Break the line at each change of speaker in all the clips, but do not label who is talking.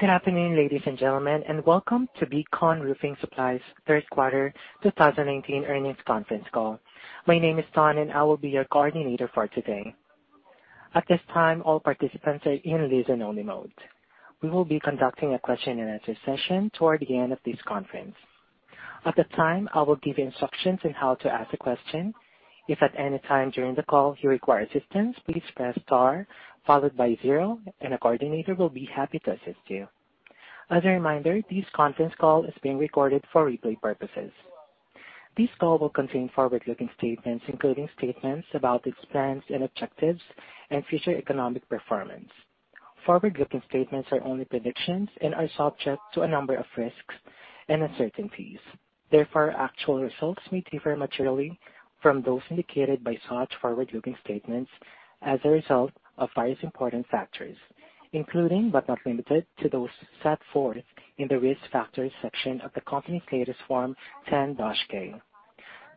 Good afternoon, ladies and gentlemen, and welcome to Beacon Roofing Supply's third quarter 2019 earnings conference call. My name is Tanya, and I will be your coordinator for today. At this time, all participants are in listen-only mode. We will be conducting a question and answer session toward the end of this conference. At that time, I will give instructions on how to ask a question. If at any time during the call you require assistance, please press star followed by zero, and a coordinator will be happy to assist you. As a reminder, this conference call is being recorded for replay purposes. This call will contain forward-looking statements, including statements about its plans and objectives and future economic performance. Forward-looking statements are only predictions and are subject to a number of risks and uncertainties. Therefore, actual results may differ materially from those indicated by such forward-looking statements as a result of various important factors, including, but not limited to, those set forth in the Risk Factors section of the company's latest Form 10-K.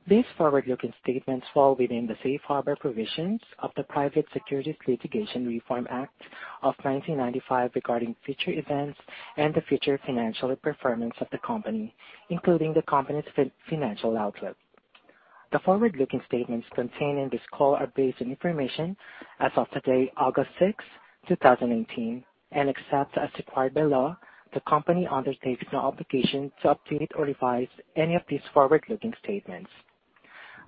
These forward-looking statements fall within the safe harbor provisions of the Private Securities Litigation Reform Act of 1995 regarding future events and the future financial performance of the company, including the company's financial outlook. The forward-looking statements contained in this call are based on information as of today, August sixth, 2018. Except as required by law, the company undertakes no obligation to update or revise any of these forward-looking statements.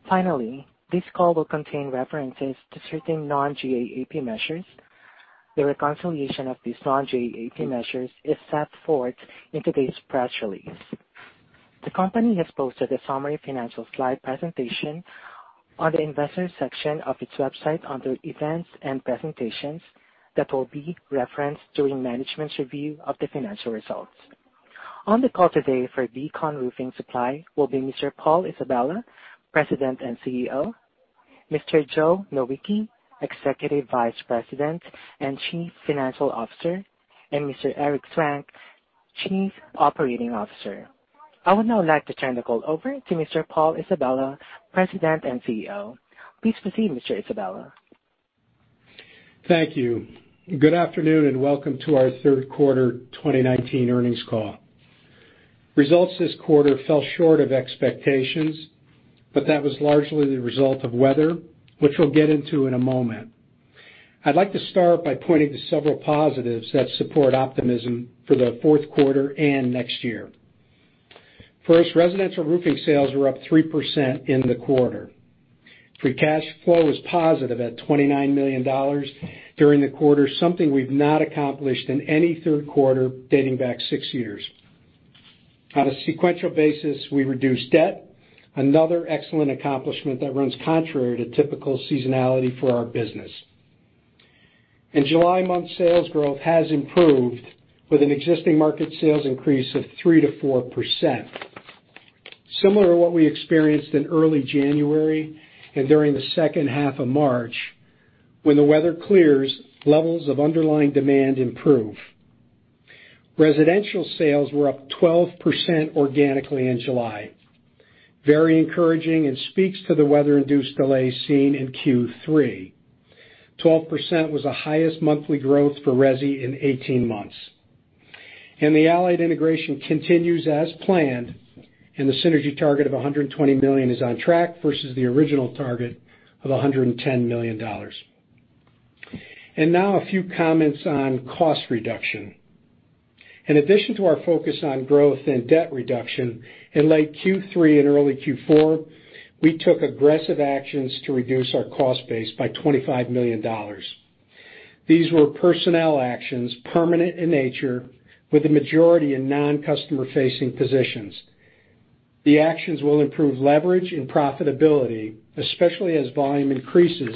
Finally, this call will contain references to certain non-GAAP measures. The reconciliation of these non-GAAP measures is set forth in today's press release. The company has posted a summary financial slide presentation on the Investors Section of its website under Events and Presentations that will be referenced during management's review of the financial results. On the call today for Beacon Roofing Supply will be Mr. Paul Isabella, President and CEO, Mr. Joe Nowicki, Executive Vice President and Chief Financial Officer, and Mr. Eric Swank, Chief Operating Officer. I would now like to turn the call over to Mr. Paul Isabella, President and CEO. Please proceed, Mr. Isabella.
Thank you. Good afternoon, welcome to our third quarter 2019 earnings call. Results this quarter fell short of expectations, but that was largely the result of weather, which we'll get into in a moment. I'd like to start by pointing to several positives that support optimism for the fourth quarter and next year. First, residential roofing sales were up 3% in the quarter. Free cash flow was positive at $29 million during the quarter, something we've not accomplished in any third quarter dating back six years. On a sequential basis, we reduced debt, another excellent accomplishment that runs contrary to typical seasonality for our business. In July, month sales growth has improved with an existing market sales increase of 3%-4%. Similar to what we experienced in early January and during the second half of March, when the weather clears, levels of underlying demand improve. Residential sales were up 12% organically in July. Very encouraging and speaks to the weather-induced delays seen in Q3. 12% was the highest monthly growth for resi in 18 months. The Allied integration continues as planned, and the synergy target of $120 million is on track versus the original target of $110 million. Now a few comments on cost reduction. In addition to our focus on growth and debt reduction, in late Q3 and early Q4, we took aggressive actions to reduce our cost base by $25 million. These were personnel actions, permanent in nature, with the majority in non-customer-facing positions. The actions will improve leverage and profitability, especially as volume increases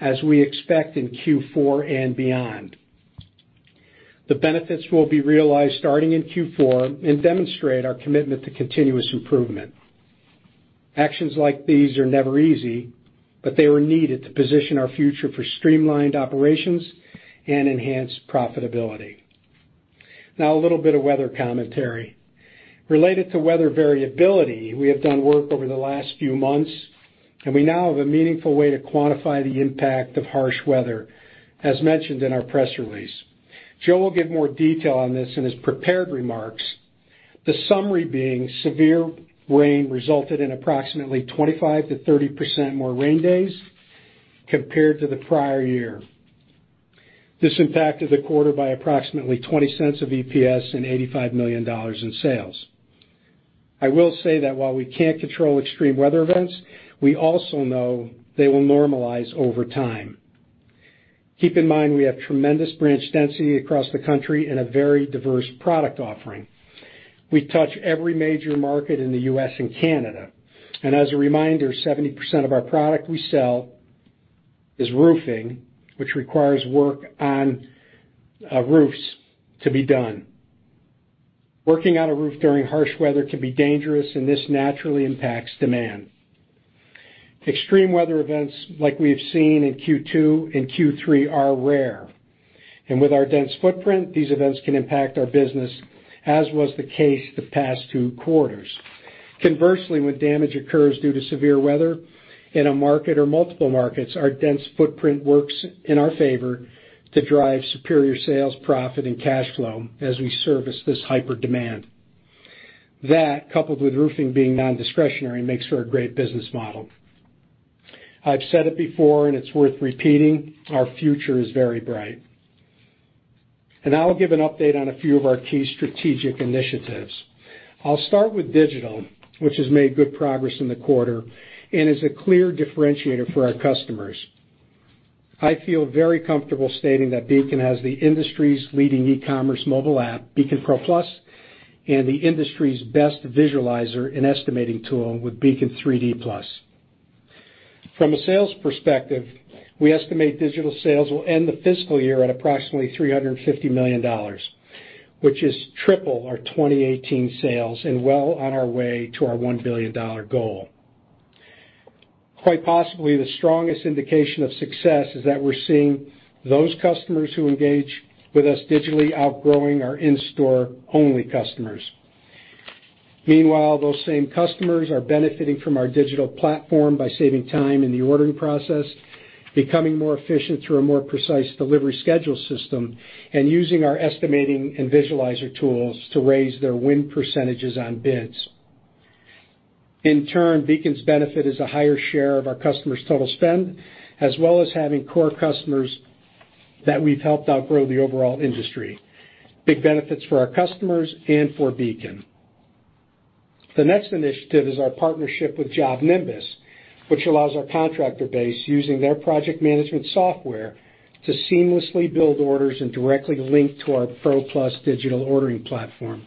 as we expect in Q4 and beyond. The benefits will be realized starting in Q4 and demonstrate our commitment to continuous improvement. Actions like these are never easy, but they were needed to position our future for streamlined operations and enhanced profitability. A little bit of weather commentary. Related to weather variability, we have done work over the last few months, and we now have a meaningful way to quantify the impact of harsh weather, as mentioned in our press release. Joe will give more detail on this in his prepared remarks. The summary being, severe rain resulted in approximately 25%-30% more rain days compared to the prior year. This impacted the quarter by approximately $0.20 of EPS and $85 million in sales. I will say that while we can't control extreme weather events, we also know they will normalize over time. Keep in mind, we have tremendous branch density across the country and a very diverse product offering. We touch every major market in the U.S. and Canada. As a reminder, 70% of our product we sell is roofing, which requires work on roofs to be done. Working on a roof during harsh weather can be dangerous, and this naturally impacts demand. Extreme weather events like we have seen in Q2 and Q3 are rare. With our dense footprint, these events can impact our business, as was the case the past two quarters. Conversely, when damage occurs due to severe weather in a market or multiple markets, our dense footprint works in our favor to drive superior sales, profit, and cash flow as we service this hyper demand. That, coupled with roofing being non-discretionary, makes for a great business model. I've said it before and it's worth repeating, our future is very bright. Now I'll give an update on a few of our key strategic initiatives. I'll start with digital, which has made good progress in the quarter and is a clear differentiator for our customers. I feel very comfortable stating that Beacon has the industry's leading e-commerce mobile app, Beacon Pro+, and the industry's best visualizer and estimating tool with Beacon 3D+. From a sales perspective, we estimate digital sales will end the fiscal year at approximately $350 million, which is triple our 2018 sales, and well on our way to our $1 billion goal. Quite possibly the strongest indication of success is that we're seeing those customers who engage with us digitally outgrowing our in-store-only customers. Meanwhile, those same customers are benefiting from our digital platform by saving time in the ordering process, becoming more efficient through a more precise delivery schedule system, and using our estimating and visualizer tools to raise their win % on bids. In turn, Beacon's benefit is a higher share of our customers' total spend, as well as having core customers that we've helped outgrow the overall industry. Big benefits for our customers and for Beacon. The next initiative is our partnership with JobNimbus, which allows our contractor base, using their project management software, to seamlessly build orders and directly link to our Pro+ digital ordering platform.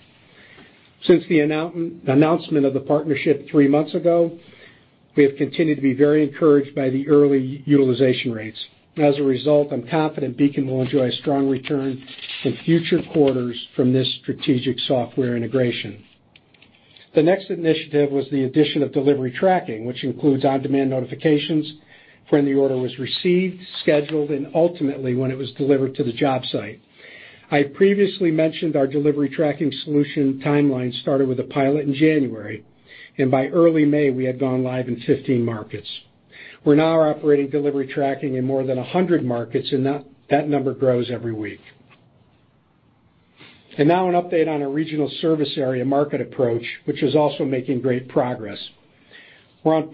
Since the announcement of the partnership three months ago, we have continued to be very encouraged by the early utilization rates. As a result, I'm confident Beacon will enjoy a strong return in future quarters from this strategic software integration. The next initiative was the addition of delivery tracking, which includes on-demand notifications when the order was received, scheduled, and ultimately, when it was delivered to the job site. I previously mentioned our delivery tracking solution timeline started with a pilot in January, and by early May, we had gone live in 15 markets. We're now operating delivery tracking in more than 100 markets, and that number grows every week. Now an update on our regional service area market approach, which is also making great progress. We're on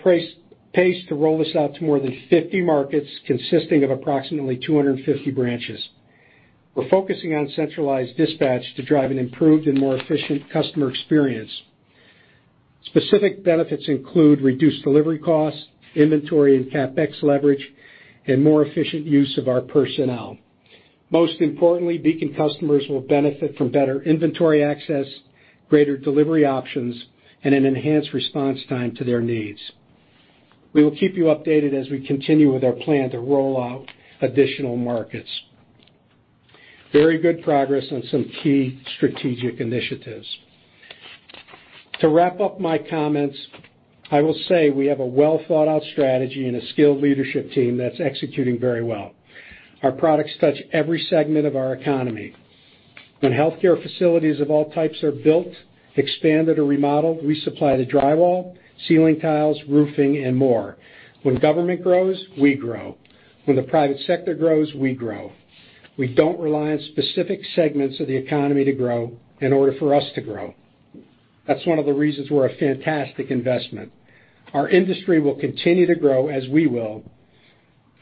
pace to roll this out to more than 50 markets consisting of approximately 250 branches. We're focusing on centralized dispatch to drive an improved and more efficient customer experience. Specific benefits include reduced delivery costs, inventory and CapEx leverage, and more efficient use of our personnel. Most importantly, Beacon customers will benefit from better inventory access, greater delivery options, and an enhanced response time to their needs. We will keep you updated as we continue with our plan to roll out additional markets. Very good progress on some key strategic initiatives. To wrap up my comments, I will say we have a well-thought-out strategy and a skilled leadership team that's executing very well. Our products touch every segment of our economy. When healthcare facilities of all types are built, expanded, or remodeled, we supply the drywall, ceiling tiles, roofing, and more. When government grows, we grow. When the private sector grows, we grow. We don't rely on specific segments of the economy to grow in order for us to grow. That's one of the reasons we're a fantastic investment. Our industry will continue to grow as we will,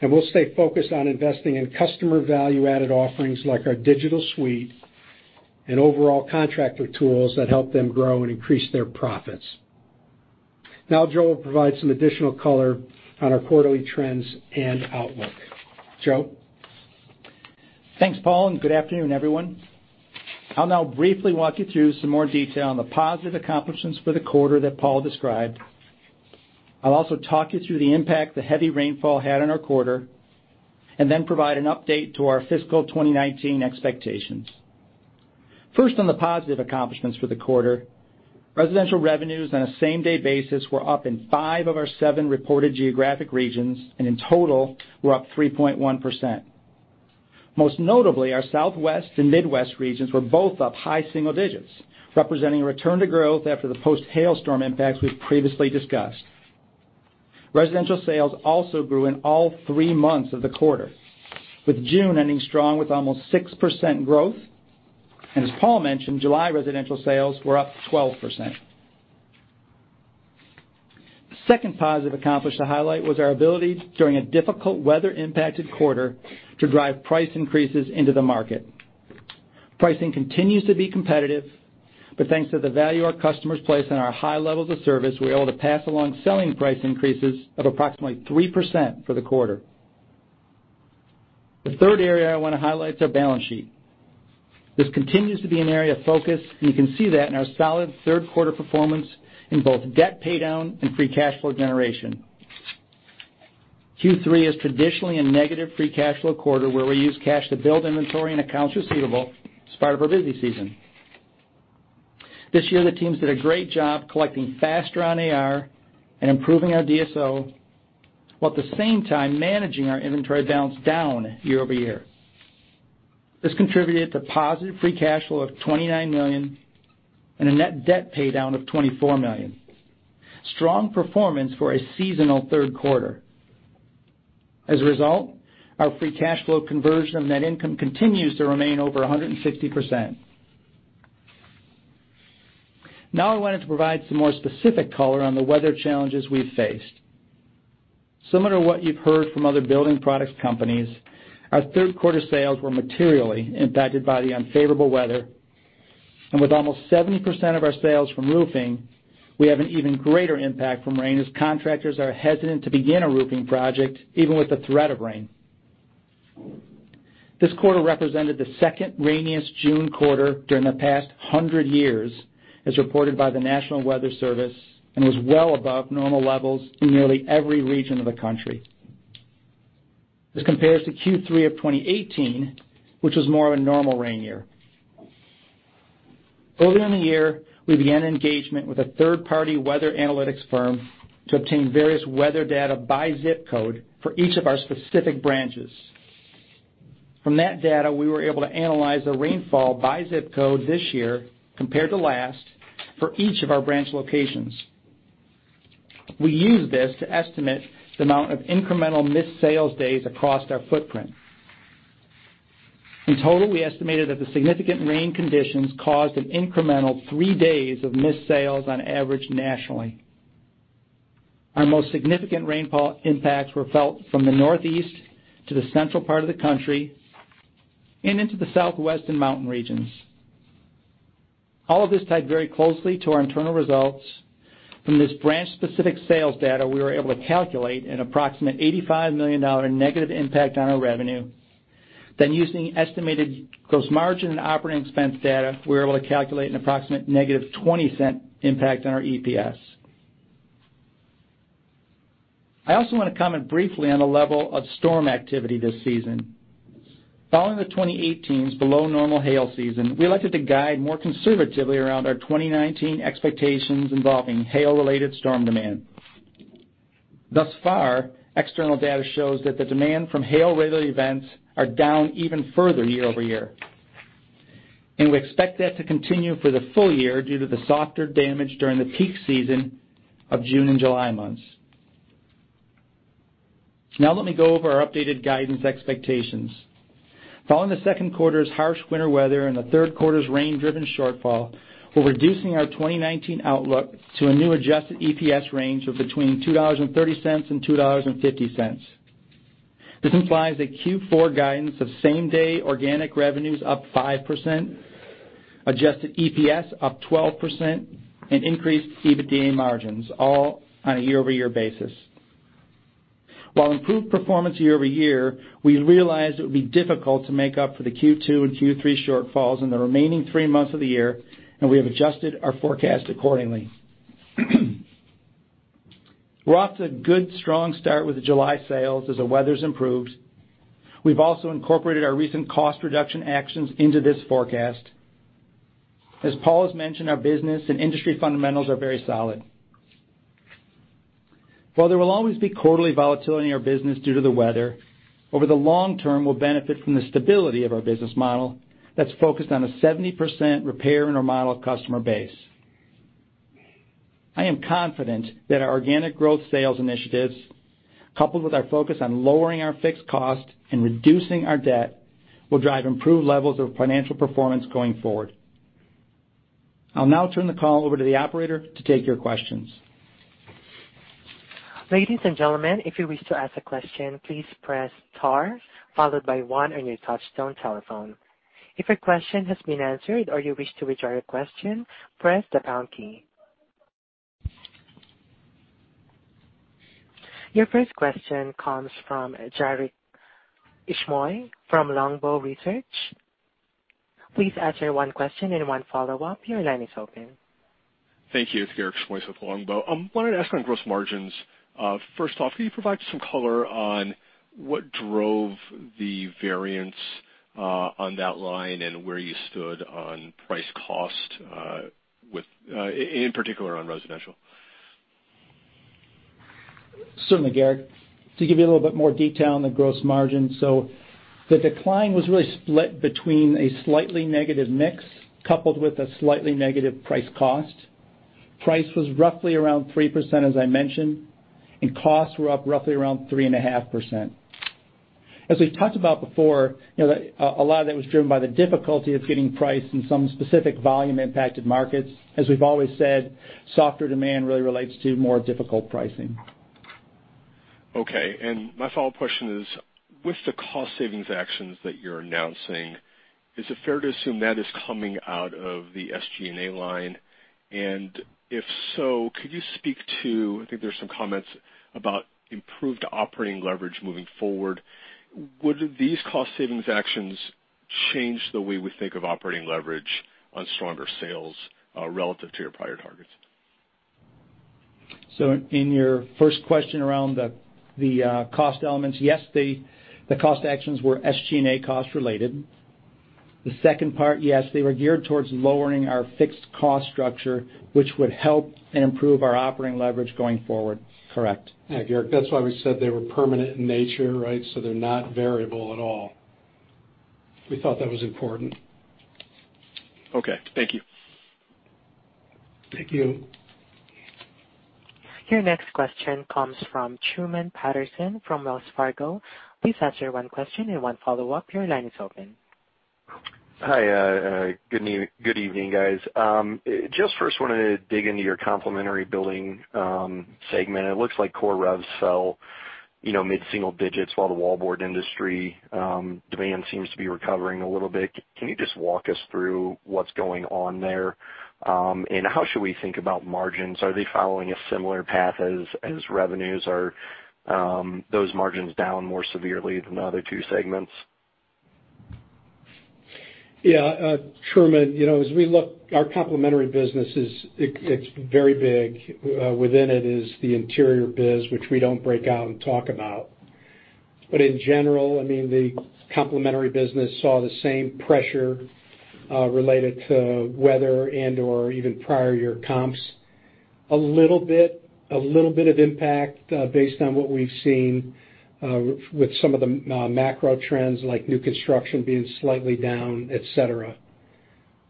and we'll stay focused on investing in customer value-added offerings like our digital suite and overall contractor tools that help them grow and increase their profits. Now Joe will provide some additional color on our quarterly trends and outlook. Joe?
Thanks, Paul, and good afternoon, everyone. I'll now briefly walk you through some more detail on the positive accomplishments for the quarter that Paul described. I'll also talk you through the impact the heavy rainfall had on our quarter, then provide an update to our fiscal 2019 expectations. First, on the positive accomplishments for the quarter, residential revenues on a same-day basis were up in five of our seven reported geographic regions, and in total, were up 3.1%. Most notably, our Southwest and Midwest regions were both up high single digits, representing a return to growth after the post-hail storm impacts we've previously discussed. Residential sales also grew in all three months of the quarter, with June ending strong with almost 6% growth. As Paul mentioned, July residential sales were up 12%. The second positive accomplish to highlight was our ability during a difficult weather-impacted quarter to drive price increases into the market. Pricing continues to be competitive, but thanks to the value our customers place on our high levels of service, we were able to pass along selling price increases of approximately 3% for the quarter. The third area I want to highlight is our balance sheet. This continues to be an area of focus. You can see that in our solid third quarter performance in both debt paydown and free cash flow generation. Q3 is traditionally a negative free cash flow quarter where we use cash to build inventory and accounts receivable as part of our busy season. This year, the teams did a great job collecting faster on AR and improving our DSO, while at the same time managing our inventory balance down year-over-year. This contributed to positive free cash flow of $29 million and a net debt paydown of $24 million. Strong performance for a seasonal third quarter. As a result, our free cash flow conversion of net income continues to remain over 160%. Now I wanted to provide some more specific color on the weather challenges we've faced. Similar to what you've heard from other building products companies, our third quarter sales were materially impacted by the unfavorable weather, and with almost 70% of our sales from roofing, we have an even greater impact from rain as contractors are hesitant to begin a roofing project, even with the threat of rain. This quarter represented the second rainiest June quarter during the past 100 years, as reported by the National Weather Service, and was well above normal levels in nearly every region of the country. This compares to Q3 of 2018, which was more of a normal rain year. Early in the year, we began engagement with a third-party weather analytics firm to obtain various weather data by ZIP Code for each of our specific branches. From that data, we were able to analyze the rainfall by ZIP Code this year compared to last for each of our branch locations. We used this to estimate the amount of incremental missed sales days across our footprint. In total, we estimated that the significant rain conditions caused an incremental three days of missed sales on average nationally. Our most significant rainfall impacts were felt from the Northeast to the central part of the country and into the Southwest and mountain regions. All of this tied very closely to our internal results. From this branch-specific sales data, we were able to calculate an approximate $85 million negative impact on our revenue. Using estimated gross margin and operating expense data, we were able to calculate an approximate negative $0.20 impact on our EPS. I also want to comment briefly on the level of storm activity this season. Following the 2018's below normal hail season, we elected to guide more conservatively around our 2019 expectations involving hail-related storm demand. Thus far, external data shows that the demand from hail-related events are down even further year-over-year. We expect that to continue for the full year due to the softer damage during the peak season of June and July months. Let me go over our updated guidance expectations. Following the second quarter's harsh winter weather and the third quarter's rain-driven shortfall, we're reducing our 2019 outlook to a new adjusted EPS range of between $2.30 and $2.50. This implies a Q4 guidance of same-day organic revenues up 5%, adjusted EPS up 12%, and increased EBITDA margins, all on a year-over-year basis. While improved performance year-over-year, we realize it will be difficult to make up for the Q2 and Q3 shortfalls in the remaining three months of the year, and we have adjusted our forecast accordingly. We're off to a good, strong start with July sales as the weather's improved. We've also incorporated our recent cost reduction actions into this forecast. As Paul has mentioned, our business and industry fundamentals are very solid. While there will always be quarterly volatility in our business due to the weather, over the long term, we'll benefit from the stability of our business model that's focused on a 70% repair and remodel customer base. I am confident that our organic growth sales initiatives, coupled with our focus on lowering our fixed cost and reducing our debt, will drive improved levels of financial performance going forward. I'll now turn the call over to the operator to take your questions.
Ladies and gentlemen, if you wish to ask a question, please press star followed by one on your touchtone telephone. If your question has been answered or you wish to withdraw your question, press the pound key. Your first question comes from Garik Shmois from Longbow Research. Please ask your one question and one follow-up. Your line is open.
Thank you. It's Garik Shmois with Longbow. I wanted to ask on gross margins. First off, can you provide some color on what drove the variance on that line and where you stood on price cost, in particular on residential?
Certainly, Garik. To give you a little bit more detail on the gross margin. The decline was really split between a slightly negative mix coupled with a slightly negative price cost. Price was roughly around 3%, as I mentioned, and costs were up roughly around 3.5%. As we've talked about before, a lot of that was driven by the difficulty of getting price in some specific volume-impacted markets. As we've always said, softer demand really relates to more difficult pricing.
Okay, my follow-up question is, with the cost savings actions that you're announcing, is it fair to assume that is coming out of the SG&A line? If so, could you speak to, I think there's some comments about improved operating leverage moving forward, would these cost savings actions change the way we think of operating leverage on stronger sales relative to your prior targets?
In your first question around the cost elements, yes, the cost actions were SG&A cost related. The second part, yes, they were geared towards lowering our fixed cost structure, which would help improve our operating leverage going forward. Correct.
Yeah, Garik, that's why we said they were permanent in nature, right? So they're not variable at all. We thought that was important.
Okay. Thank you.
Thank you.
Your next question comes from Truman Patterson from Wells Fargo. Please ask your one question and one follow-up. Your line is open.
Hi, good evening, guys. Just first wanted to dig into your complementary building segment. It looks like core rev fell mid-single digits while the wallboard industry demand seems to be recovering a little bit. Can you just walk us through what's going on there? How should we think about margins? Are they following a similar path as revenues? Are those margins down more severely than the other two segments?
Truman, as we look, our complementary business, it's very big. Within it is the interior biz, which we don't break out and talk about. In general, the complementary business saw the same pressure related to weather and/or even prior year comps. A little bit of impact based on what we've seen with some of the macro trends, like new construction being slightly down, et cetera.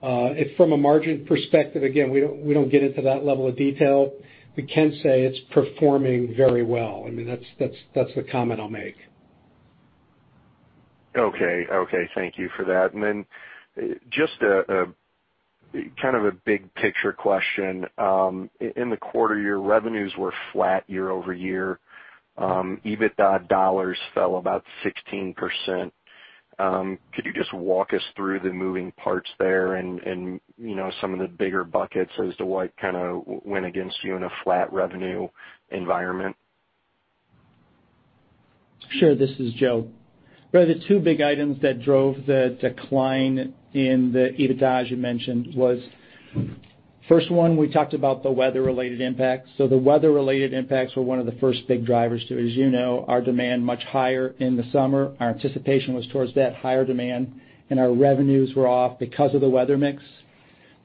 From a margin perspective, again, we don't get into that level of detail. We can say it's performing very well. That's the comment I'll make.
Okay. Thank you for that. Just a big picture question. In the quarter, your revenues were flat year-over-year. EBITDA dollars fell about 16%. Could you just walk us through the moving parts there and some of the bigger buckets as to what went against you in a flat revenue environment?
This is Joe. The two big items that drove the decline in the EBITDA, as you mentioned, was first one, we talked about the weather-related impact. The weather-related impacts were one of the first big drivers to it. As you know, our demand much higher in the summer. Our anticipation was towards that higher demand, and our revenues were off because of the weather mix.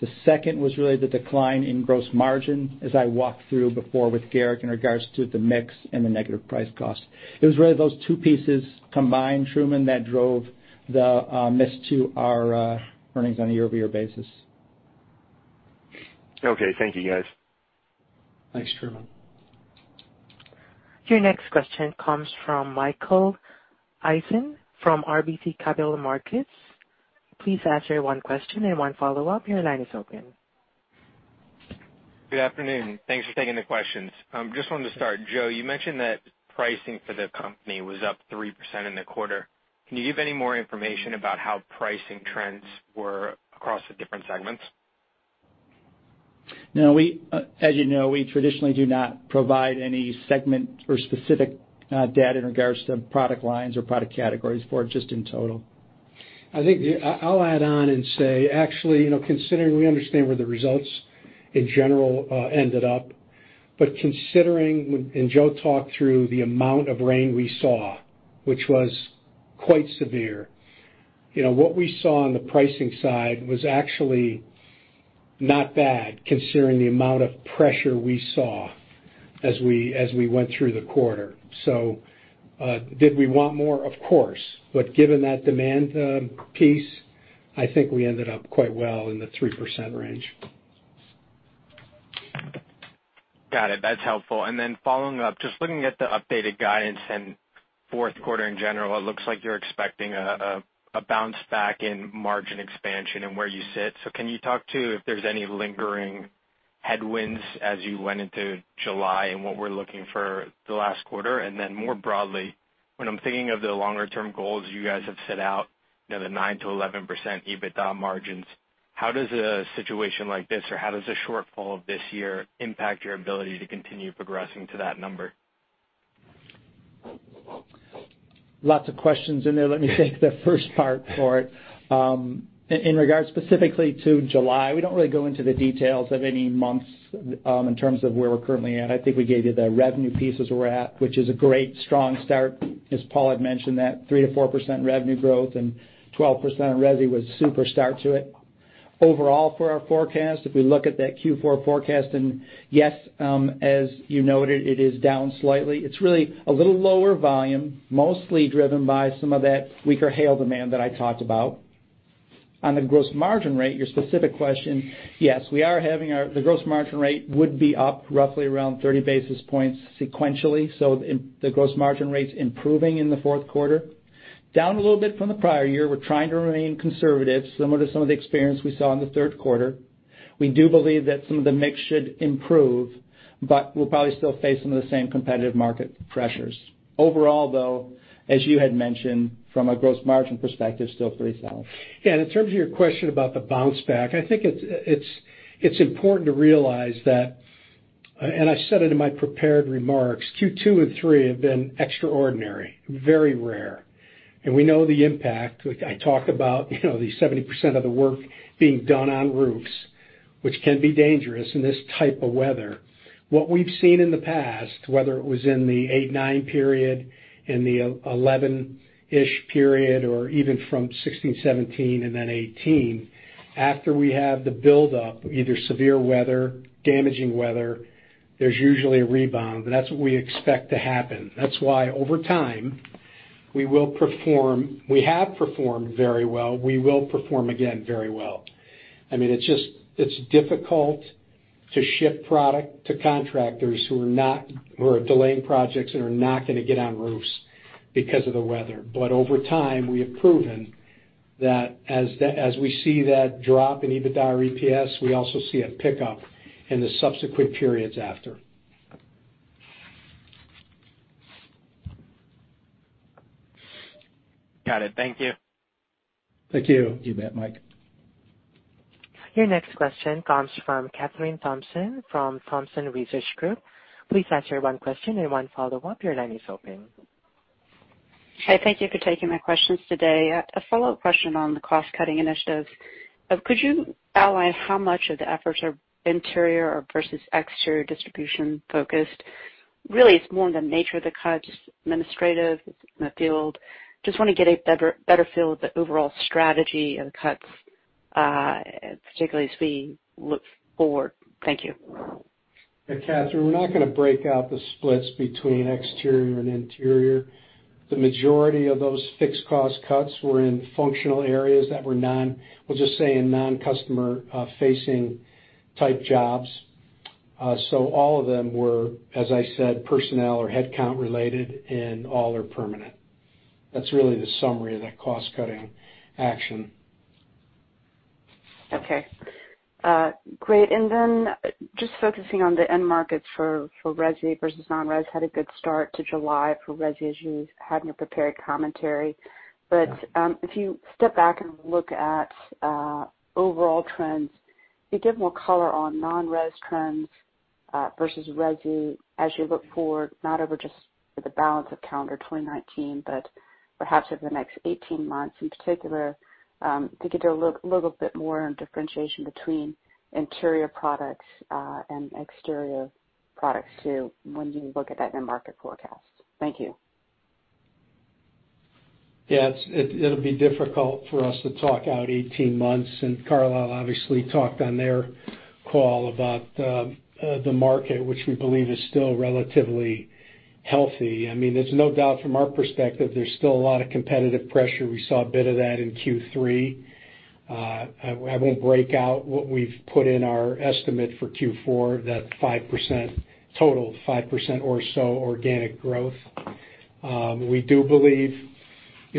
The second was really the decline in gross margin, as I walked through before with Garik, in regards to the mix and the negative price cost. It was really those two pieces combined, Truman, that drove the miss to our earnings on a year-over-year basis.
Okay, thank you, guys.
Thanks, Truman.
Your next question comes from Mike Dahl from RBC Capital Markets. Please ask your one question and one follow-up. Your line is open.
Good afternoon. Thanks for taking the questions. Just wanted to start, Joe, you mentioned that pricing for the company was up 3% in the quarter. Can you give any more information about how pricing trends were across the different segments?
No. As you know, we traditionally do not provide any segment or specific data in regards to product lines or product categories for it, just in total.
I'll add on and say, actually, considering we understand where the results in general ended up, considering, and Joe talked through the amount of rain we saw, which was quite severe. What we saw on the pricing side was actually not bad, considering the amount of pressure we saw as we went through the quarter. Did we want more? Of course. Given that demand piece, I think we ended up quite well in the 3% range.
Got it. That's helpful. Following up, just looking at the updated guidance and fourth quarter in general, it looks like you're expecting a bounce back in margin expansion and where you sit. Can you talk to if there's any lingering headwinds as you went into July and what we're looking for the last quarter? More broadly, when I'm thinking of the longer-term goals you guys have set out, the 9%-11% EBITDA margins, how does a situation like this, or how does a shortfall this year impact your ability to continue progressing to that number?
Lots of questions in there. Let me take the first part for it. In regards specifically to July, we don't really go into the details of any months in terms of where we're currently at. I think we gave you the revenue piece as we're at, which is a great strong start, as Paul had mentioned, that 3% to 4% revenue growth and 12% resi was a super start to it. Overall for our forecast, if we look at that Q4 forecast, yes, as you noted, it is down slightly. It's really a little lower volume, mostly driven by some of that weaker hail demand that I talked about. On the gross margin rate, your specific question, yes. The gross margin rate would be up roughly around 30 basis points sequentially. The gross margin rate's improving in the fourth quarter. Down a little bit from the prior year. We're trying to remain conservative, similar to some of the experience we saw in the third quarter. We do believe that some of the mix should improve, but we'll probably still face some of the same competitive market pressures. Overall, though, as you had mentioned, from a gross margin perspective, still pretty solid.
Yeah, in terms of your question about the bounce back, I think it's important to realize that, I said it in my prepared remarks, Q2 and three have been extraordinary, very rare. We know the impact. I talked about the 70% of the work being done on roofs. Which can be dangerous in this type of weather. What we've seen in the past, whether it was in the 2008, 2009 period, in the 2011-ish period, or even from 2016, 2017, and then 2018, after we have the buildup, either severe weather, damaging weather, there's usually a rebound. That's what we expect to happen. That's why, over time, we have performed very well, we will perform again very well. It's difficult to ship product to contractors who are delaying projects and are not going to get on roofs because of the weather. Over time, we have proven that as we see that drop in EBITDA or EPS, we also see a pickup in the subsequent periods after.
Got it. Thank you.
Thank you.
You bet, Mike.
Your next question comes from Kathryn Thompson from Thompson Research Group. Please answer one question and one follow-up. Your line is open.
Hey, thank you for taking my questions today. A follow-up question on the cost-cutting initiatives. Could you outline how much of the efforts are interior or versus exterior distribution focused? Really, it's more on the nature of the cuts, administrative, in the field. Just want to get a better feel of the overall strategy of the cuts, particularly as we look forward. Thank you.
Hey, Kathryn, we're not going to break out the splits between exterior and interior. The majority of those fixed cost cuts were in functional areas that were, we'll just say, in non-customer facing type jobs. All of them were, as I said, personnel or headcount related, and all are permanent. That's really the summary of that cost-cutting action.
Okay. Great. Then just focusing on the end markets for resi versus non-resi had a good start to July for resi as you had in your prepared commentary. If you step back and look at overall trends, could you give more color on non-resi trends versus resi as you look forward not over just for the balance of calendar 2019, but perhaps over the next 18 months. In particular, if you could do a little bit more on differentiation between interior products and exterior products too when you look at that end market forecast. Thank you.
It'll be difficult for us to talk out 18 months, and Carlisle obviously talked on their call about the market, which we believe is still relatively healthy. There's no doubt from our perspective there's still a lot of competitive pressure. We saw a bit of that in Q3. I won't break out what we've put in our estimate for Q4, that 5% total, 5% or so organic growth. We do believe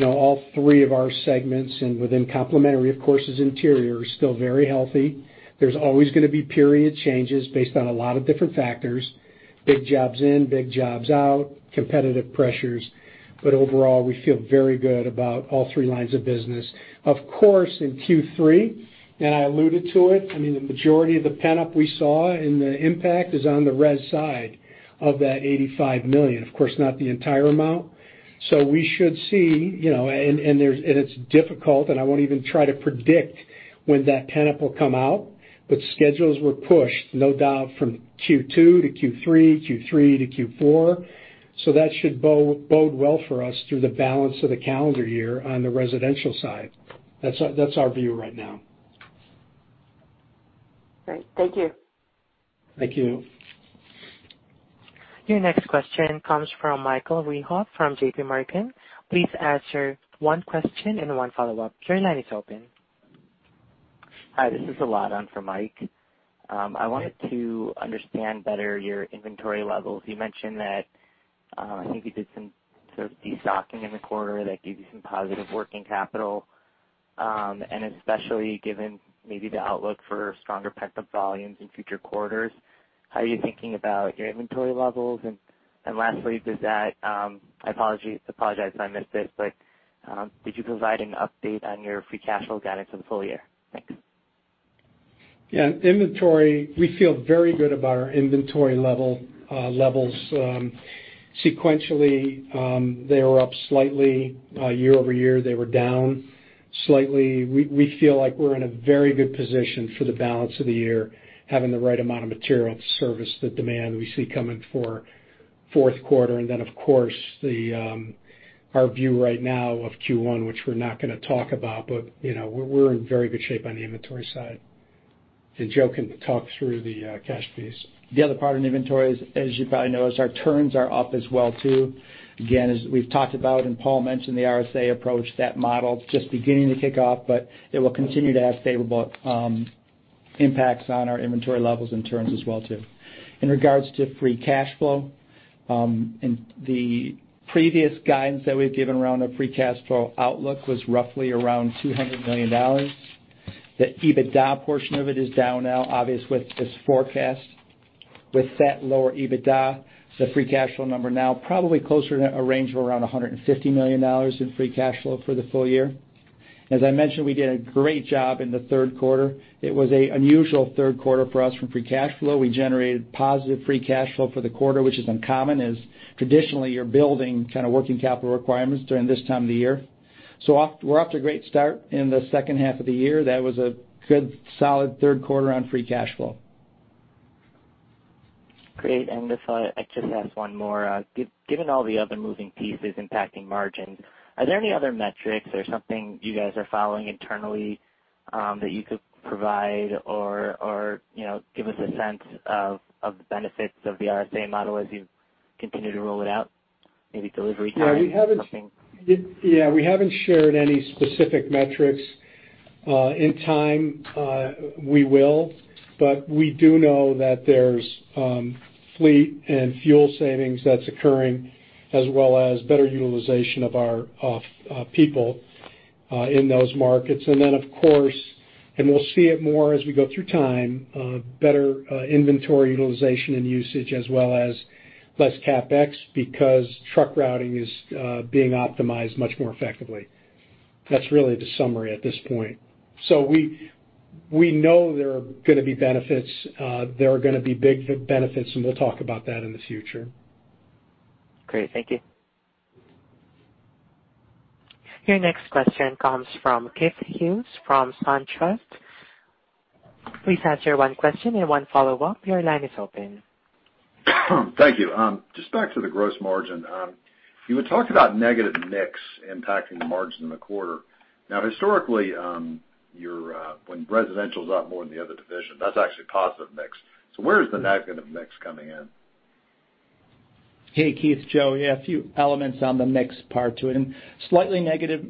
all three of our segments and within complementary, of course, as interior, are still very healthy. There's always going to be period changes based on a lot of different factors, big jobs in, big jobs out, competitive pressures. Overall, we feel very good about all three lines of business. Of course, in Q3, and I alluded to it, the majority of the pent-up we saw and the impact is on the resi side of that $85 million. Of course, not the entire amount. We should see, and it's difficult, and I won't even try to predict when that pent-up will come out. Schedules were pushed, no doubt from Q2 to Q3 to Q4. That should bode well for us through the balance of the calendar year on the residential side. That's our view right now.
Great. Thank you.
Thank you.
Your next question comes from Michael Wood from JP Morgan. Please answer one question and one follow-up. Your line is open.
Hi, this is Alon for Mike. I wanted to understand better your inventory levels. You mentioned that, I think you did some sort of de-stocking in the quarter that gave you some positive working capital. Especially given maybe the outlook for stronger pent-up volumes in future quarters, how are you thinking about your inventory levels? Lastly, I apologize if I missed it, but did you provide an update on your free cash flow guidance for the full year? Thanks.
Yeah. Inventory, we feel very good about our inventory levels. Sequentially, they were up slightly. Year-over-year, they were down slightly. We feel like we're in a very good position for the balance of the year, having the right amount of material to service the demand we see coming for fourth quarter. Then, of course, our view right now of Q1, which we're not going to talk about, but we're in very good shape on the inventory side. Joe can talk through the cash piece.
The other part in inventory is, as you probably noticed, our turns are up as well, too. As we've talked about and Paul mentioned the RSA approach, that model is just beginning to kick off, but it will continue to have favorable impacts on our inventory levels and turns as well, too. In regards to free cash flow, the previous guidance that we've given around our free cash flow outlook was roughly around $200 million. The EBITDA portion of it is down now, obvious with this forecast. With that lower EBITDA, the free cash flow number now probably closer to a range of around $150 million in free cash flow for the full year. As I mentioned, we did a great job in the third quarter. It was a unusual third quarter for us from free cash flow. We generated positive free cash flow for the quarter, which is uncommon, as traditionally you're building kind of working capital requirements during this time of the year. We're off to a great start in the second half of the year. That was a good, solid third quarter on free cash flow.
Great. I just have one more. Given all the other moving pieces impacting margins, are there any other metrics or something you guys are following internally that you could provide or give us a sense of the benefits of the RSA model as you continue to roll it out? Maybe delivery time or something.
We haven't shared any specific metrics. In time, we will. We do know that there's fleet and fuel savings that's occurring as well as better utilization of our people in those markets. Of course, and we'll see it more as we go through time, better inventory utilization and usage, as well as less CapEx because truck routing is being optimized much more effectively. That's really the summary at this point. We know there are going to be benefits. There are going to be big benefits, and we'll talk about that in the future.
Great. Thank you.
Your next question comes from Keith Hughes from SunTrust. Please answer one question and one follow-up. Your line is open.
Thank you. Just back to the gross margin. You had talked about negative mix impacting the margin in the quarter. Historically, when residential's up more than the other division, that's actually positive mix. Where is the negative mix coming in?
Hey, Keith. Joe. Yeah, a few elements on the mix part to it, slightly negative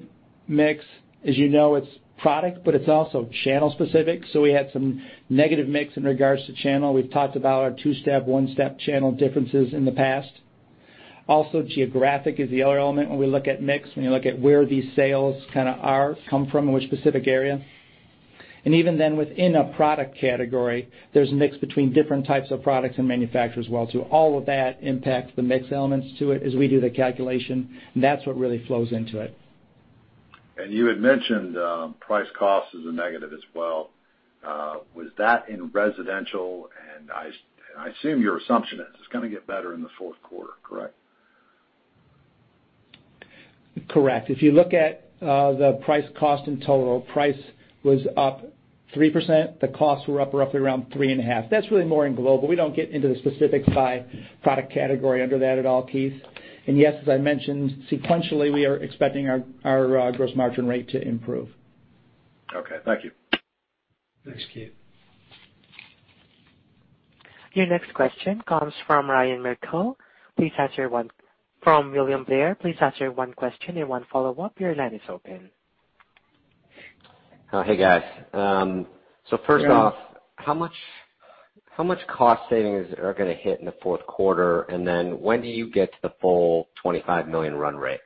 mix, as you know, it's product, but it's also channel specific, so we had some negative mix in regards to channel. We've talked about our two-step, one-step channel differences in the past. Geographic is the other element when we look at mix. When you look at where these sales kind of are, come from, and which specific area. Even then, within a product category, there's mix between different types of products and manufacturers as well too. All of that impacts the mix elements to it as we do the calculation, that's what really flows into it.
You had mentioned price cost is a negative as well. Was that in residential? I assume your assumption is it's going to get better in the fourth quarter, correct?
Correct. If you look at the price cost in total, price was up 3%. The costs were up roughly around 3.5%. That’s really more in global. We don’t get into the specifics by product category under that at all, Keith. Yes, as I mentioned, sequentially, we are expecting our gross margin rate to improve.
Okay. Thank you.
Thanks, Keith.
Your next question comes from Ryan Merkel. From William Blair, please answer one question and one follow-up. Your line is open.
Oh, hey, guys. First off, how much cost savings are going to hit in the fourth quarter, and then when do you get to the full $25 million run rate?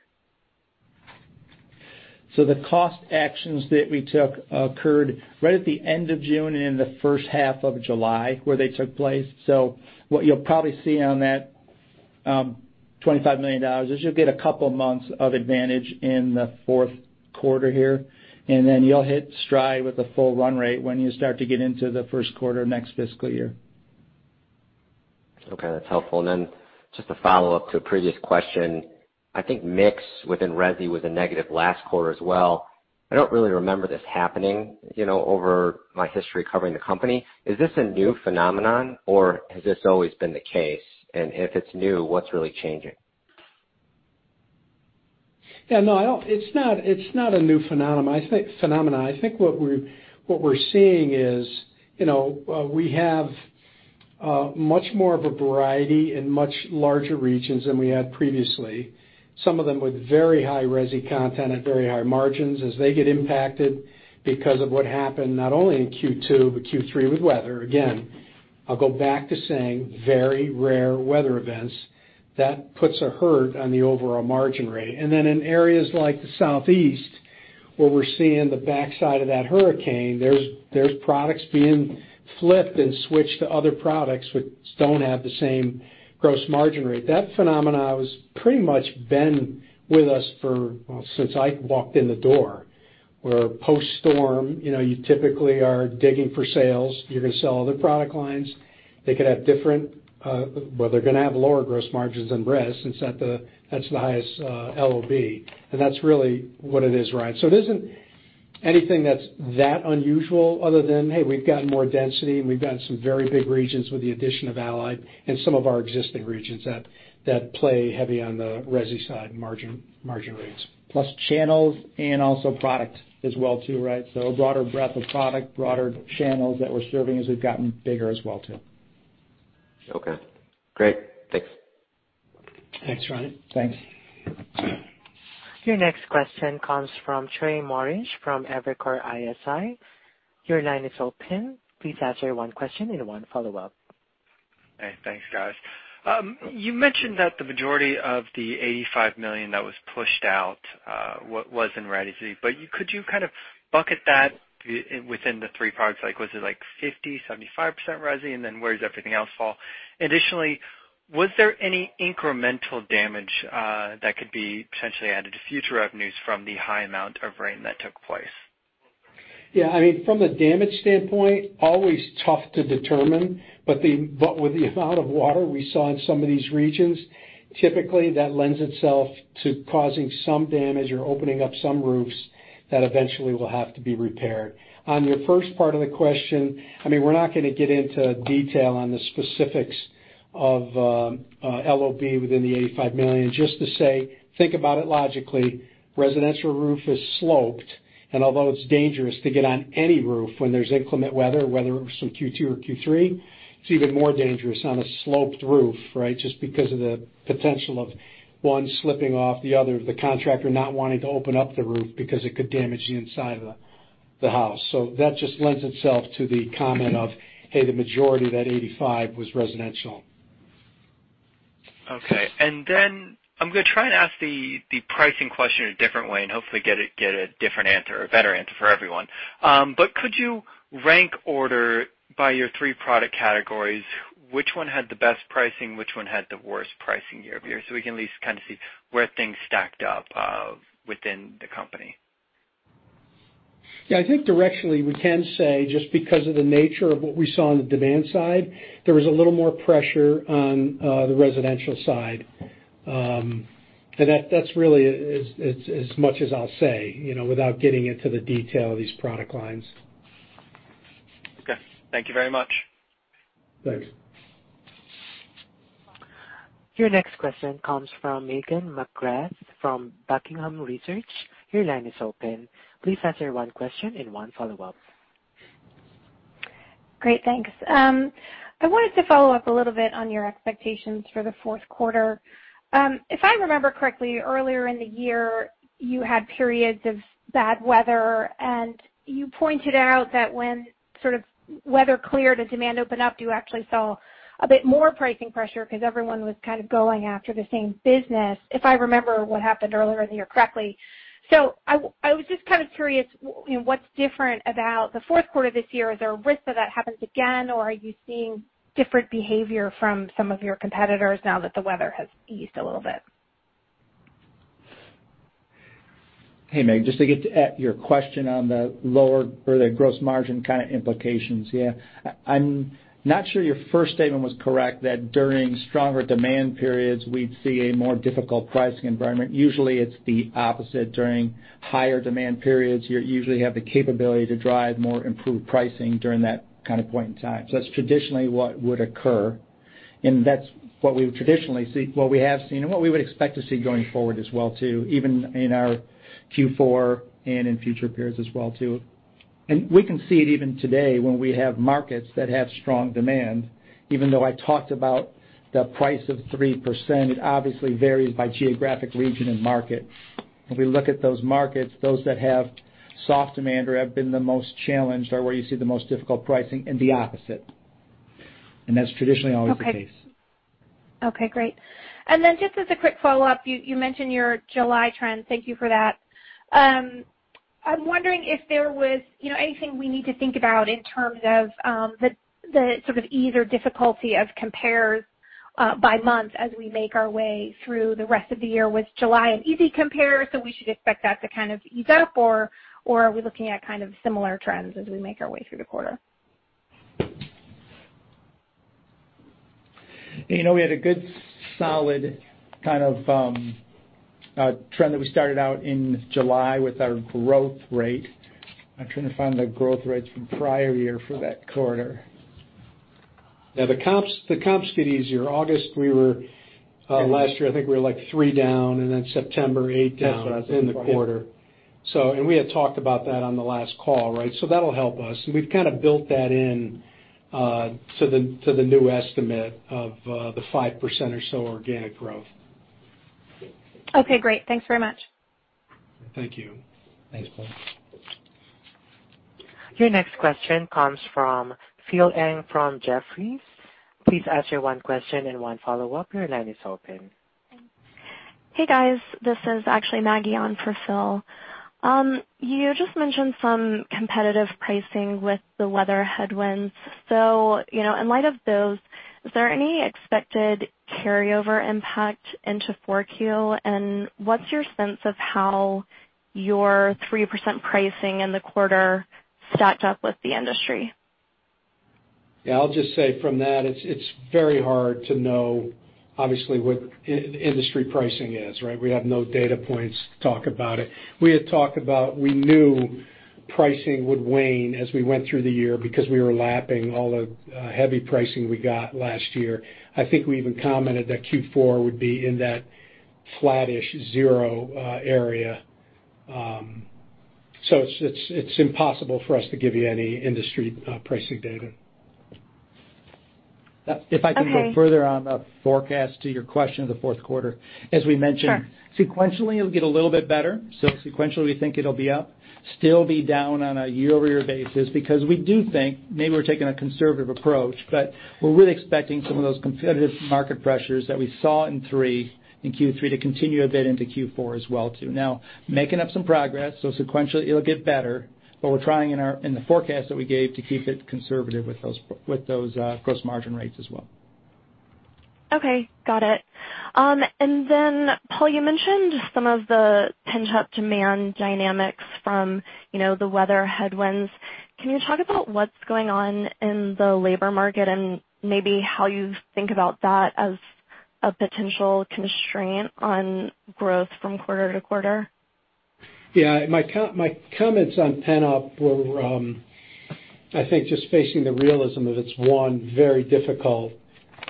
The cost actions that we took occurred right at the end of June and in the first half of July, where they took place. What you'll probably see on that $25 million is you'll get a couple months of advantage in the fourth quarter here, and then you'll hit stride with the full run rate when you start to get into the first quarter next fiscal year.
Okay. That's helpful. Just a follow-up to a previous question. I think mix within resi was a negative last quarter as well. I don't really remember this happening over my history covering the company. Is this a new phenomenon, or has this always been the case? If it's new, what's really changing?
Yeah, no. It's not a new phenomenon. I think what we're seeing is we have much more of a variety in much larger regions than we had previously. Some of them with very high resi content and very high margins. As they get impacted because of what happened, not only in Q2, but Q3 with weather. Again, I'll go back to saying very rare weather events. That puts a hurt on the overall margin rate. Then in areas like the Southeast, where we're seeing the backside of that hurricane, there's products being flipped and switched to other products which don't have the same gross margin rate. That phenomenon has pretty much been with us for, well, since I walked in the door, where post-storm, you typically are digging for sales. You're going to sell other product lines. Well, they're going to have lower gross margins than resi since that's the highest LOB. That's really what it is, Ryan. It isn't anything that's that unusual other than, hey, we've gotten more density and we've gotten some very big regions with the addition of Allied and some of our existing regions that play heavy on the resi side margin rates.
Plus channels and also product as well too, right? A broader breadth of product, broader channels that we're serving as we've gotten bigger as well too.
Okay. Great. Thanks.
Thanks, Ryan.
Thanks.
Your next question comes from Trey Morrish from Evercore ISI. Your line is open. Please answer one question and one follow-up.
Hey. Thanks, guys. You mentioned that the majority of the $85 million that was pushed out was in resi. Could you kind of bucket that within the three products? Was it like 50%, 75% resi? Where does everything else fall? Additionally, was there any incremental damage that could be potentially added to future revenues from the high amount of rain that took place?
Yeah. From the damage standpoint, always tough to determine, but with the amount of water we saw in some of these regions, typically that lends itself to causing some damage or opening up some roofs that eventually will have to be repaired. On your first part of the question, we're not going to get into detail on the specifics of LOB within the $85 million. Just to say, think about it logically, residential roof is sloped, and although it's dangerous to get on any roof when there's inclement weather, whether it was from Q2 or Q3, it's even more dangerous on a sloped roof, right? Just because of the potential of, one, slipping off, the other, the contractor not wanting to open up the roof because it could damage the inside of the house. That just lends itself to the comment of, hey, the majority of that 85 was residential.
Okay. I'm going to try and ask the pricing question a different way and hopefully get a different answer or a better answer for everyone. Could you rank order by your three product categories, which one had the best pricing, which one had the worst pricing year-over-year, so we can at least kind of see where things stacked up within the company?
Yeah, I think directionally, we can say, just because of the nature of what we saw on the demand side, there was a little more pressure on the residential side. That's really as much as I'll say, without getting into the detail of these product lines.
Okay. Thank you very much.
Thanks.
Your next question comes from Megan McGrath from Buckingham Research. Your line is open. Please answer one question and one follow-up.
Great. Thanks. I wanted to follow up a little bit on your expectations for the fourth quarter. If I remember correctly, earlier in the year, you had periods of bad weather, and you pointed out that when sort of weather cleared and demand opened up, you actually saw a bit more pricing pressure because everyone was kind of going after the same business, if I remember what happened earlier in the year correctly. I was just kind of curious, what's different about the fourth quarter this year? Is there a risk that that happens again, or are you seeing different behavior from some of your competitors now that the weather has eased a little bit?
Hey, Meg, just to get at your question on the lower or the gross margin kind of implications. Yeah. I'm not sure your first statement was correct that during stronger demand periods, we'd see a more difficult pricing environment. Usually, it's the opposite. During higher demand periods, you usually have the capability to drive more improved pricing during that kind of point in time. That's traditionally what would occur, and that's what we would traditionally see, what we have seen and what we would expect to see going forward as well too, even in our Q4 and in future periods as well too. We can see it even today when we have markets that have strong demand. Even though I talked about the price of 3%, it obviously varies by geographic region and market. If we look at those markets, those that have soft demand or have been the most challenged are where you see the most difficult pricing and the opposite. That's traditionally always the case.
Okay. Great. Just as a quick follow-up, you mentioned your July trends. Thank you for that. I'm wondering if there was anything we need to think about in terms of the sort of ease or difficulty of compares by month as we make our way through the rest of the year. Was July an easy compare, so we should expect that to kind of ease up, or are we looking at kind of similar trends as we make our way through the quarter?
We had a good solid kind of trend that we started out in July with our growth rate. I'm trying to find the growth rates from prior year for that quarter.
Yeah, the comps get easier. August, last year, I think we were like three down, and then September, eight down in the quarter.
That's what I was looking for, yeah.
We had talked about that on the last call, right? That'll help us. We've kind of built that in to the new estimate of the 5% or so organic growth.
Okay, great. Thanks very much.
Thank you.
Thanks, Megan.
Your next question comes from Phil Ng from Jefferies. Please ask your one question and one follow-up. Your line is open.
Hey, guys. This is actually Maggie on for Phil. You just mentioned some competitive pricing with the weather headwinds. In light of those, is there any expected carryover impact into 4Q? What's your sense of how your 3% pricing in the quarter stacked up with the industry?
Yeah, I'll just say from that, it's very hard to know, obviously, what industry pricing is, right? We have no data points to talk about it. We had talked about we knew pricing would wane as we went through the year because we were lapping all the heavy pricing we got last year. I think we even commented that Q4 would be in that flat-ish zero area. It's impossible for us to give you any industry pricing data.
If I can go further on the forecast to your question of the fourth quarter.
Sure.
As we mentioned, sequentially, it'll get a little bit better. Sequentially, we think it'll be up. Still be down on a year-over-year basis because we do think maybe we're taking a conservative approach, but we're really expecting some of those competitive market pressures that we saw in Q3 to continue a bit into Q4 as well, too. Making up some progress, so sequentially it'll get better, but we're trying in the forecast that we gave to keep it conservative with those gross margin rates as well.
Okay. Got it. Paul, you mentioned some of the pent-up demand dynamics from the weather headwinds. Can you talk about what's going on in the labor market and maybe how you think about that as a potential constraint on growth from quarter to quarter?
Yeah. My comments on pent-up were, I think, just facing the realism of it's, one, very difficult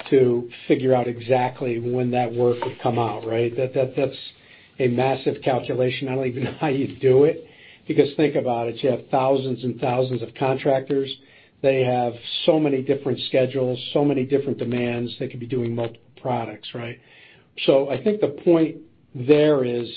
to figure out exactly when that work would come out, right? That's a massive calculation. I don't even know how you'd do it, because think about it. You have thousands and thousands of contractors. They have so many different schedules, so many different demands. They could be doing multiple products, right? I think the point there is,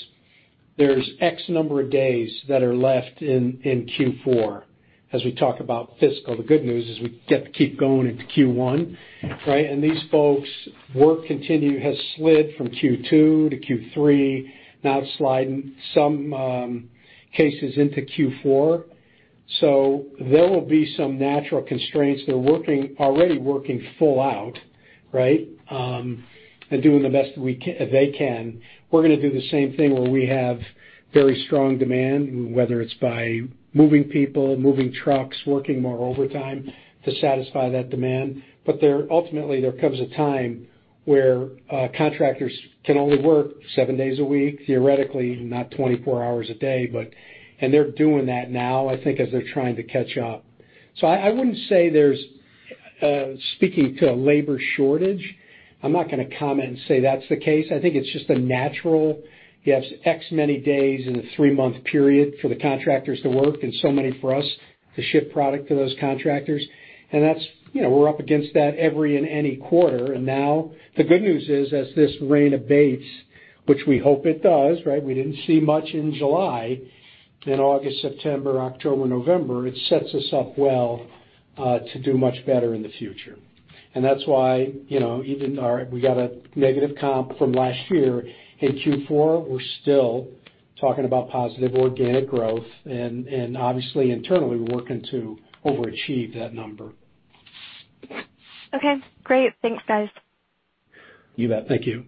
there's X number of days that are left in Q4 as we talk about fiscal. The good news is we get to keep going into Q1, right? These folks' work continue has slid from Q2 to Q3, now sliding, some cases, into Q4. There will be some natural constraints. They're already working full out, right? Doing the best they can. We're going to do the same thing where we have very strong demand, whether it's by moving people, moving trucks, working more overtime to satisfy that demand. Ultimately, there comes a time where contractors can only work seven days a week, theoretically, not 24 hours a day, and they're doing that now, I think, as they're trying to catch up. I wouldn't say there's, speaking to a labor shortage, I'm not going to comment and say that's the case. I think it's just a natural, you have x many days in a three-month period for the contractors to work and so many for us to ship product to those contractors, and we're up against that every and any quarter. Now the good news is, as this rain abates, which we hope it does. We didn't see much in July. August, September, October, November, it sets us up well to do much better in the future. That's why even we got a negative comp from last year in Q4, we're still talking about positive organic growth and obviously internally, we're working to overachieve that number.
Okay, great. Thanks, guys.
You bet. Thank you.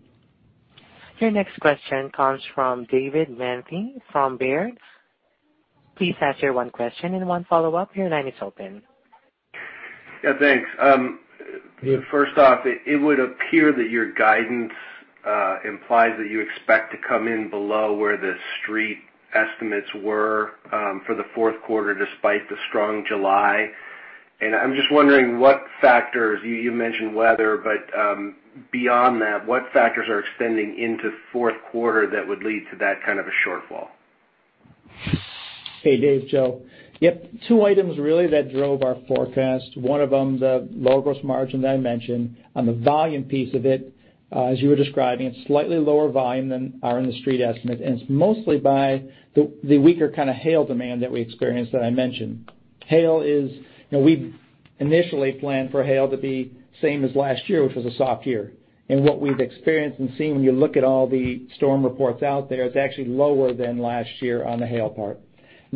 Your next question comes from David Manthey from Baird. Please ask your one question and one follow-up. Your line is open.
Yeah, thanks. First off, it would appear that your guidance implies that you expect to come in below where the street estimates were for the fourth quarter, despite the strong July. I'm just wondering what factors, you mentioned weather, but beyond that, what factors are extending into fourth quarter that would lead to that kind of a shortfall?
Hey, Dave. It's Joe. Yep. two items really that drove our forecast. one of them, the lower gross margin that I mentioned. On the volume piece of it, as you were describing, it's slightly lower volume than are in the street estimate, and it's mostly by the weaker kind of hail demand that we experienced that I mentioned. We initially planned for hail to be same as last year, which was a soft year. What we've experienced and seen when you look at all the storm reports out there, it's actually lower than last year on the hail part.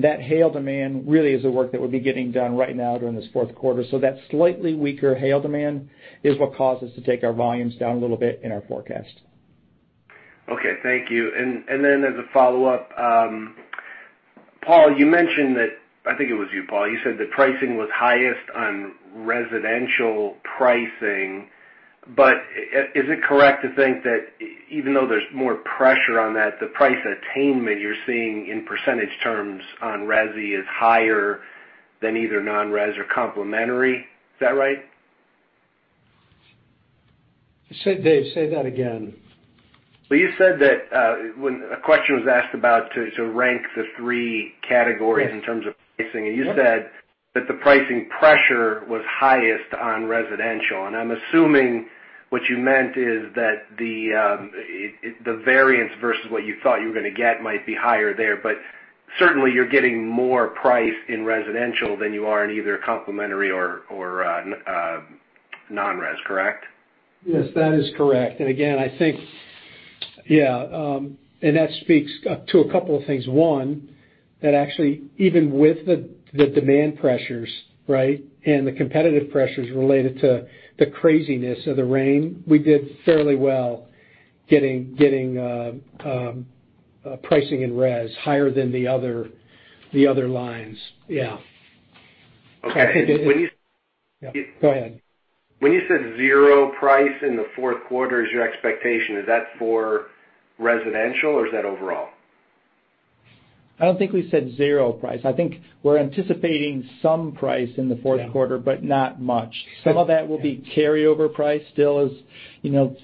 That hail demand really is the work that would be getting done right now during this fourth quarter. That slightly weaker hail demand is what caused us to take our volumes down a little bit in our forecast.
Okay. Thank you. Then as a follow-up, Paul, you mentioned, I think it was you, Paul. You said that pricing was highest on residential pricing. Is it correct to think that even though there's more pressure on that, the price attainment you're seeing in percentage terms on resi is higher than either non-res or complementary? Is that right?
Dave, say that again.
Well, you said that when a question was asked about to rank the three categories in terms of pricing, you said that the pricing pressure was highest on residential. I'm assuming what you meant is that the variance versus what you thought you were going to get might be higher there. Certainly you're getting more price in residential than you are in either complementary or non-res, correct?
Yes, that is correct. Again, I think, yeah. That speaks to a couple of things. One, that actually even with the demand pressures, right? The competitive pressures related to the craziness of the rain, we did fairly well getting pricing in res higher than the other lines. Yeah.
Okay.
Yeah. Go ahead.
When you said zero price in the fourth quarter is your expectation, is that for residential or is that overall?
I don't think we said zero price. I think we're anticipating some price in the fourth quarter, but not much. Some of that will be carryover price still as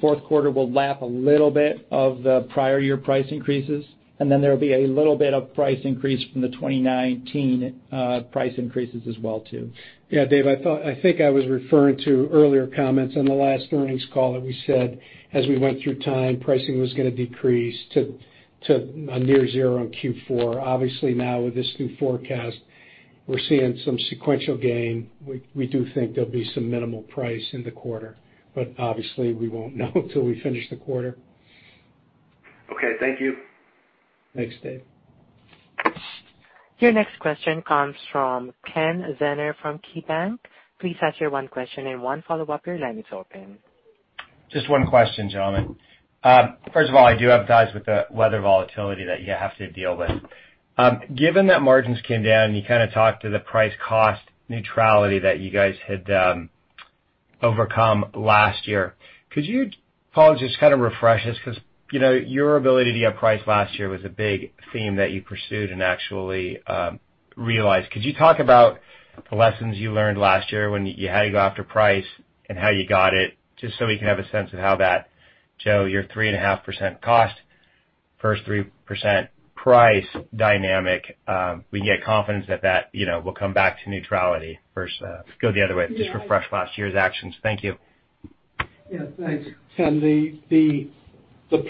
fourth quarter will lap a little bit of the prior year price increases, and then there'll be a little bit of price increase from the 2019 price increases as well, too.
Yeah, Dave, I think I was referring to earlier comments on the last earnings call that we said as we went through time, pricing was going to decrease to near zero in Q4. Obviously now with this new forecast, we're seeing some sequential gain. We do think there'll be some minimal price in the quarter, but obviously we won't know until we finish the quarter.
Okay. Thank you.
Thanks, Dave.
Your next question comes from Kenneth Zener from KeyBank. Please ask your one question and one follow-up. Your line is open.
Just one question, gentlemen. First of all, I do empathize with the weather volatility that you have to deal with. Given that margins came down, and you kind of talked to the price cost neutrality that you guys had overcome last year, could you, Paul, just kind of refresh us? Because your ability to get price last year was a big theme that you pursued and actually realized. Could you talk about the lessons you learned last year when you had to go after price and how you got it, just so we can have a sense of how that, Joe, your 3.5% cost versus 3% price dynamic, we can get confidence that that will come back to neutrality versus go the other way. Just refresh last year's actions. Thank you.
Yeah, thanks, Ken. The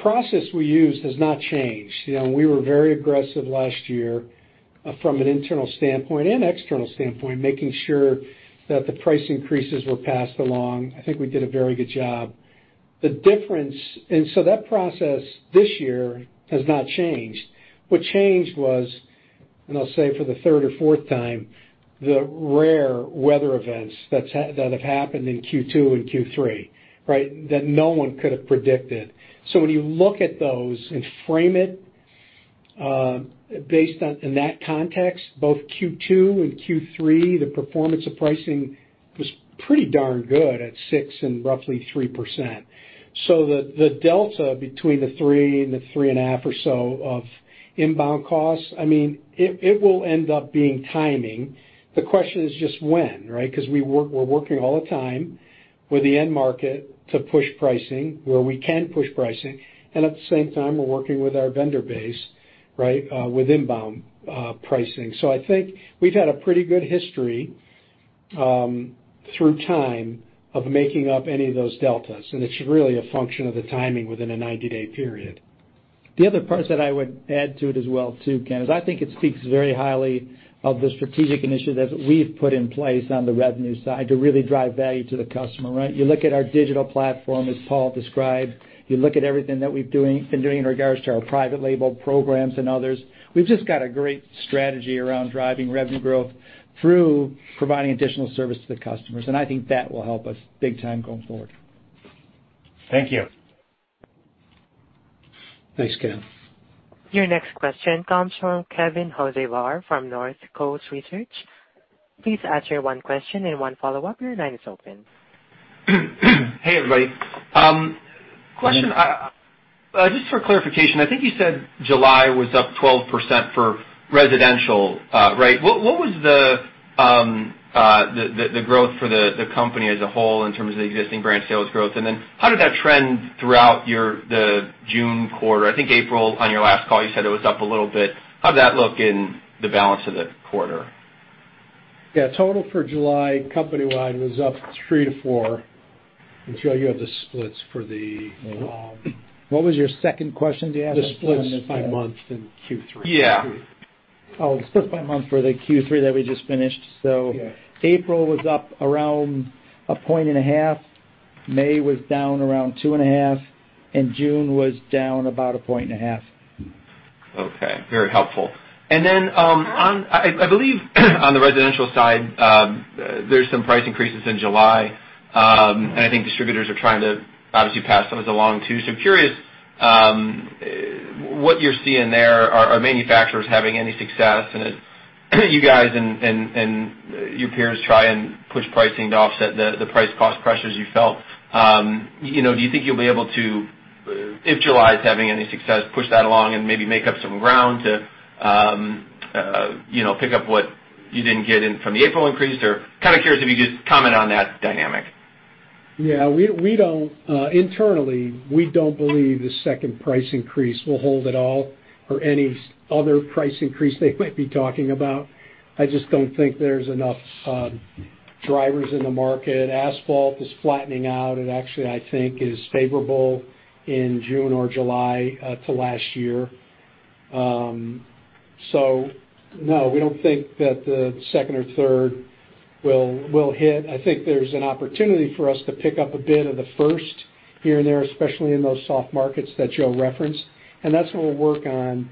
process we use has not changed. We were very aggressive last year, from an internal standpoint and external standpoint, making sure that the price increases were passed along. I think we did a very good job. That process this year has not changed. What changed was, and I'll say it for the third or fourth time, the rare weather events that have happened in Q2 and Q3 that no one could have predicted. When you look at those and frame it based on, in that context, both Q2 and Q3, the performance of pricing was pretty darn good at 6% and roughly 3%. The delta between the 3% and the 3.5% or so of inbound costs, it will end up being timing. The question is just when, right? We're working all the time with the end market to push pricing where we can push pricing, and at the same time, we're working with our vendor base with inbound pricing. I think we've had a pretty good history through time of making up any of those deltas, and it's really a function of the timing within a 90-day period.
The other parts that I would add to it as well too, Ken, is I think it speaks very highly of the strategic initiatives we've put in place on the revenue side to really drive value to the customer, right? You look at our digital platform, as Paul described. You look at everything that we've been doing in regards to our private label programs and others. We've just got a great strategy around driving revenue growth through providing additional service to the customers, I think that will help us big time going forward.
Thank you.
Thanks, Ken.
Your next question comes from Kevin Hocevar from Northcoast Research. Please ask your one question and one follow-up. Your line is open.
Hey, everybody. Just for clarification, I think you said July was up 12% for residential, right? What was the growth for the company as a whole in terms of the existing branch sales growth? How did that trend throughout the June quarter? I think April, on your last call, you said it was up a little bit. How'd that look in the balance of the quarter?
Yeah. Total for July company-wide was up 3%-4%. Joe, you have the splits for.
What was your second question? Do you have it?
The splits by month in Q3.
Yeah.
The split by month for the Q3 that we just finished.
Yeah.
April was up around a point and a half. May was down around two and a half, and June was down about a point and a half.
Okay. Very helpful. I believe on the residential side, there's some price increases in July. I think distributors are trying to obviously pass those along, too. Curious what you're seeing there. Are manufacturers having any success in it? You guys and your peers try and push pricing to offset the price cost pressures you felt. Do you think you'll be able to, if July's having any success, push that along and maybe make up some ground to pick up what you didn't get in from the April increase? Kind of curious if you could just comment on that dynamic.
Internally, we don't believe the second price increase will hold at all or any other price increase they might be talking about. I just don't think there's enough drivers in the market. Asphalt is flattening out. It actually, I think, is favorable in June or July to last year. No, we don't think that the second or third will hit. I think there's an opportunity for us to pick up a bit of the first here and there, especially in those soft markets that Joe referenced. That's what we'll work on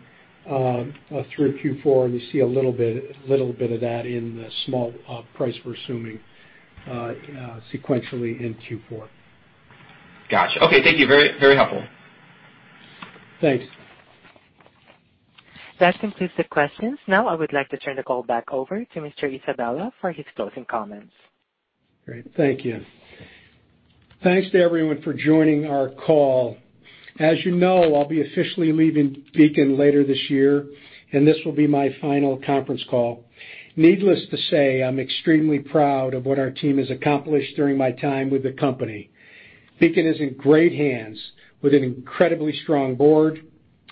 through Q4, and you see a little bit of that in the small price we're assuming sequentially in Q4.
Got you. Okay. Thank you. Very helpful.
Thanks.
That concludes the questions. I would like to turn the call back over to Mr. Isabella for his closing comments.
Great. Thank you. Thanks to everyone for joining our call. As you know, I'll be officially leaving Beacon later this year, and this will be my final conference call. Needless to say, I'm extremely proud of what our team has accomplished during my time with the company. Beacon is in great hands with an incredibly strong board,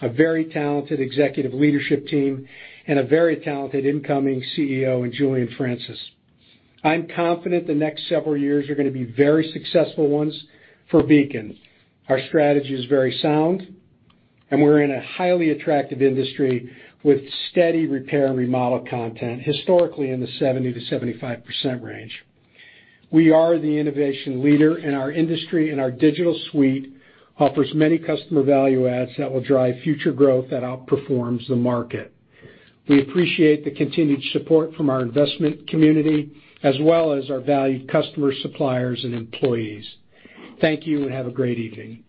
a very talented executive leadership team, and a very talented incoming CEO in Julian Francis. I'm confident the next several years are going to be very successful ones for Beacon. Our strategy is very sound, and we're in a highly attractive industry with steady repair and remodel content, historically in the 70%-75% range. We are the innovation leader in our industry, and our digital suite offers many customer value adds that will drive future growth that outperforms the market. We appreciate the continued support from our investment community as well as our valued customer suppliers and employees. Thank you, and have a great evening.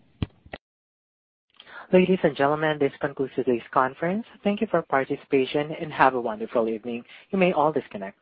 Ladies and gentlemen, this concludes today's conference. Thank you for participation, and have a wonderful evening. You may all disconnect.